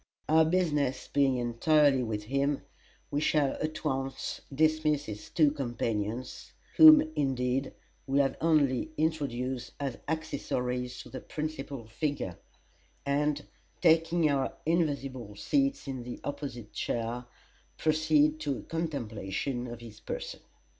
Our business being entirely with him, we shall at once dismiss his two companions whom, indeed, we have only introduced as accessories to the principal figure and, taking our invisible seats in the opposite chair, proceed to a contemplation of his person.